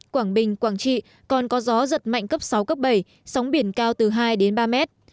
quảng bình quảng trị còn có gió giật mạnh cấp sáu cấp bảy sóng biển cao từ hai đến ba mét